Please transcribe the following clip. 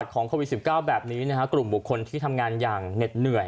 ของโควิด๑๙แบบนี้กลุ่มบุคคลที่ทำงานอย่างเหน็ดเหนื่อย